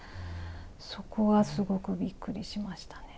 そこはすごくびっくりしましたね。